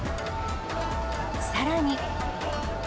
さらに。